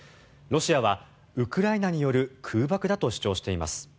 ロシアはウクライナによる空爆だと主張しています。